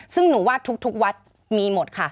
ซึ่งหนูว่าทุกวัดมีหมดค่ะ